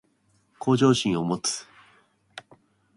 向上心を持つ